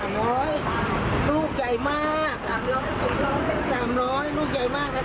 นี่๑๐๐ลูกเต็มแล้วน้ำหนักก็๖กิโลกรัมขึ้น